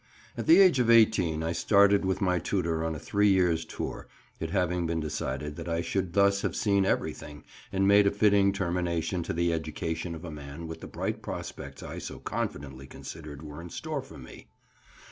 At the age of 18 I started with my tutor on a three years' tour, it having been decided that I should thus have seen everything, and made a fitting termination to the education of a man with the bright prospects I so confidently considered were in store for me.